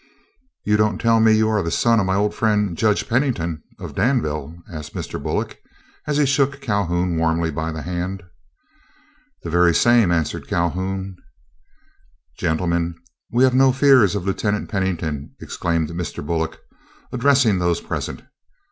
"You don't tell me you are the son of my old friend, Judge Pennington, of Danville," asked Mr. Bullock, as he shook Calhoun warmly by the hand. "The very same," answered Calhoun. "Gentlemen, we need have no fears of Lieutenant Pennington," exclaimed Mr. Bullock, addressing those present.